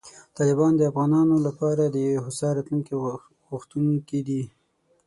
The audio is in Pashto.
طالبان د افغانانو لپاره د یوې هوسا راتلونکې غوښتونکي دي.